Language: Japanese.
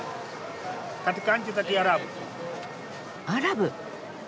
アラブ。